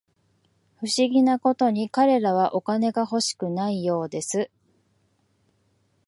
不思議なことに、彼らはお金が欲しくないようです